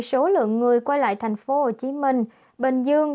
số lượng người quay lại tp hcm bình dương